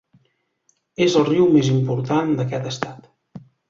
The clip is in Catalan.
És el riu més important d'aquest estat.